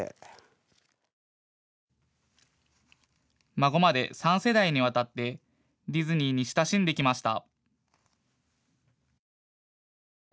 孫まで３世代にわたってディズニーに親しんできました。